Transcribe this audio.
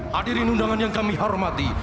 hadirin undangan yang kami hormati